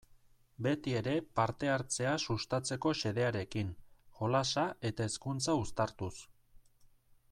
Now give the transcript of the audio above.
Beti ere parte-hartzea sustatzeko xedearekin, jolasa eta hezkuntza uztartuz.